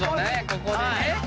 ここでね。